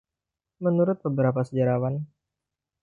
Menurut beberapa sejarawan.